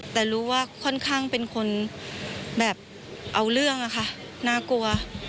แต่รู้ว่าค่อนข้างเป็นคนแบบเอาเรื่องอะค่ะน่ากลัว